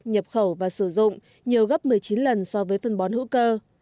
nhập khẩu và sử dụng nhiều gấp một mươi chín lần so với phân bón hữu cơ